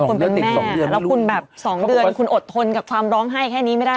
คนเป็นแม่แล้วคุณแบบ๒เดือนคุณอดทนกับความร้องไห้แค่นี้ไม่ได้